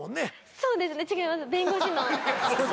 そうですね違います